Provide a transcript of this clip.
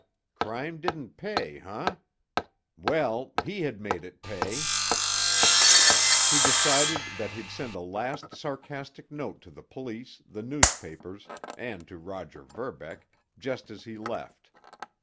Crime didn't pay, eh? Well—he had made it pay! He decided that he'd send a last sarcastic note to the police, the newspapers, and to Roger Verbeck, just as he left.